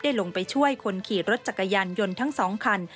ลงไปช่วยคนขี่รถจักรยานยนต์ทั้ง๒คัน